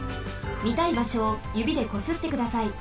みたいばしょをゆびでこすってください。